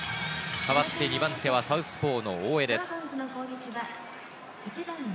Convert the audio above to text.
代わって２番手はサウスポーの大江です。